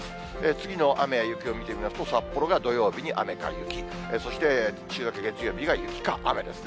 次の雨や雪を見てみますと、札幌は土曜日に雨か雪、そして週明け月曜日が雪か雨ですね。